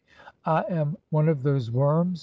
"I am one of those worms